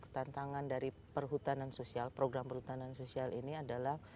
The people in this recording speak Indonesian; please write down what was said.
tantangan dari perhutanan sosial program perhutanan sosial ini adalah